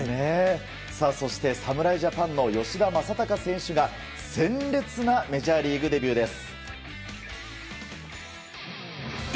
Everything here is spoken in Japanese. そして侍ジャパンの吉田正尚選手が鮮烈なメジャーリーグデビューです。